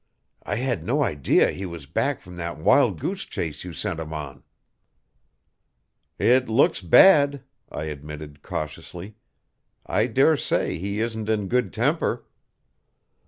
I had no idea he was back from that wild goose chase you sent him on." "It looks bad," I admitted cautiously. "I dare say he isn't in good temper."